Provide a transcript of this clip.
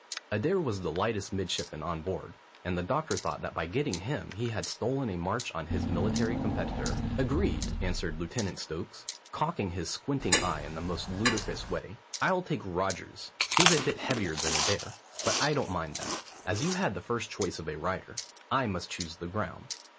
Adair was the lightest midshipman on board, and the doctor thought that by getting him he had stolen a march on his military competitor. "Agreed," answered Lieutenant Stokes, cocking his squinting eye in the most ludicrous way. "I'll take Rogers. He's a bit heavier than Adair, but I don't mind that. As you had the first choice of a rider, I must choose the ground.